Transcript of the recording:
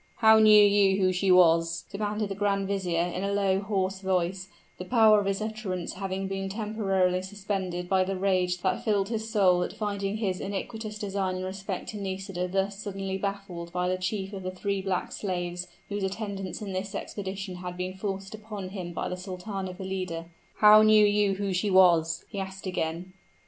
"How knew you who she was?" demanded the grand vizier, in a low, hoarse voice, the power of his utterance having been temporarily suspended by the rage that filled his soul at finding his iniquitous design in respect to Nisida thus suddenly baffled by the chief of the three black slaves, whose attendance in this expedition had been forced upon him by the Sultana Valida; "how knew you who she was?" he again asked.